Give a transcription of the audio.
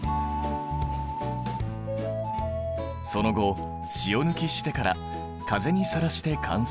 その後塩抜きしてから風にさらして乾燥。